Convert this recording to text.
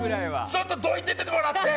ちょっとどいててもらって！